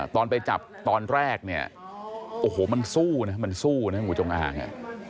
ตอนไปจับตอนแรกเนี่ยโอ้โหมันสู้นะมันสู้นะงูจงอาง